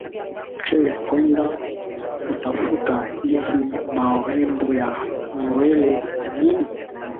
kuliko tunavyo safiri kwenda nje kwenda kutafuta hizi maurembo ya nywele na nini